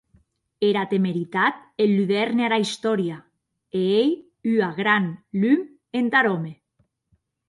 Era temeritat enludèrne ara istòria, e ei ua gran lum entar òme.